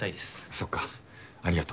そっかありがと。